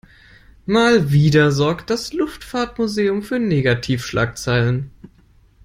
Mal wieder sorgt das Luftfahrtmuseum für Negativschlagzeilen.